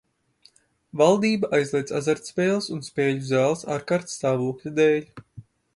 Valdība aizliedz azartspēles un spēļu zāles ārkārtas stāvokļa dēļ.